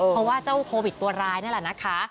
เพราะว่าเจ้าโควิดตัวร้ายนั่นแหละนะคะ